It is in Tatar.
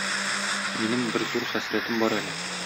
Минем бер зур хәсрәтем бар әле.